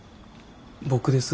僕です。